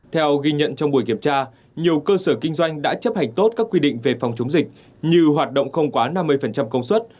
theo ghi nhận trong buổi kiểm tra nhiều cơ sở kinh doanh đã chấp hành tốt các quy định về phòng chống dịch như hoạt động không quá năm mươi công suất